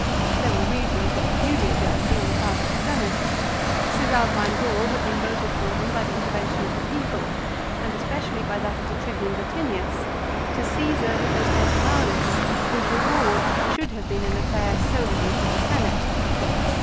There were reasons for peculiar jealousy on the part of the Senate. Cisalpine Gaul had been voted for him by the intervention of the people, and especially by that of the Tribune Vatinius, to Csesar who was Consularis, whose reward should have been an affair solely for the Senate.